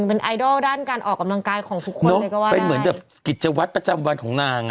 เป็นไอดอลด้านการออกกำลังกายของทุกคนเป็นเหมือนแบบกิจวัตรประจำวันของนางอ่ะ